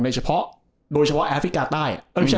โดยเฉพาะแอฟริกาไต้